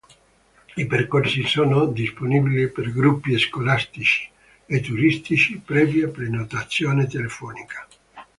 I percorsi sono disponibili per gruppi scolastici e turistici previa prenotazione telefonica.